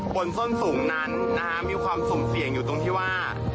ส้นสูงนั้นมีความสุ่มเสี่ยงอยู่ตรงที่ว่า